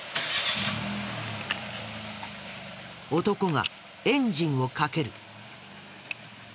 男がエンジンをかける。